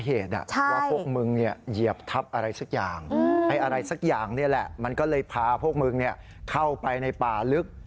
ให้อะไรสักอย่างนี่แหละมันก็เลยพาพวกมึงเข้าไปในป่าลึก